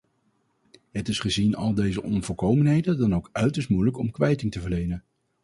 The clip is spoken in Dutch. Het is gezien al deze onvolkomenheden dan ook uiterst moeilijk om kwijting te verlenen.